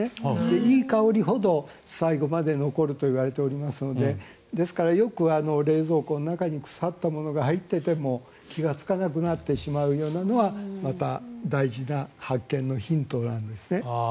いい香りほど最後まで残るといわれておりますのでですから、よく冷蔵庫の中に腐ったものが入っていても気がつかなくなってしまうというようなことはまた大事な発見のヒントなんですね。